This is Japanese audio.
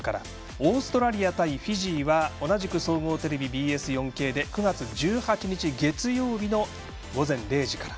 オーストラリア対フィジーは同じく総合テレビ、ＢＳ４Ｋで９月１８日、月曜日の午前０時から。